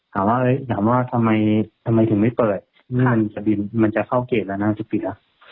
ถามว่าทำไมถึงไม่เปิดมันจะเข้าเกรดแล้วน่าจะปิด